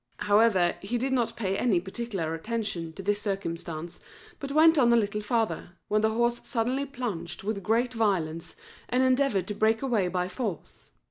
However, he did not pay any particular attention to this circumstance, but went on a little farther, when the horse suddenly plunged with great violence, and endeavoured to break away by force.